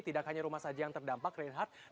tidak hanya rumah saja yang terdampak reinhardt